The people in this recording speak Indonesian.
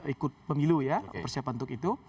ikut pemilu ya persiapan untuk itu